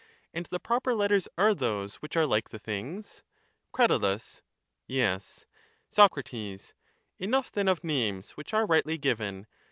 And the proper letters are those which are like the things ? Crat. Yes. Soc. Enough then of names which are rightly given.